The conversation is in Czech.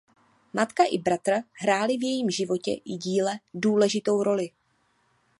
Matka i bratr hráli v jejím životě i díle důležitou roli.